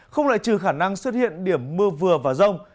không lại trừ khả năng xuất hiện điểm mưa vừa và rông